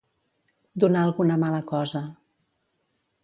Donar alguna mala cosa.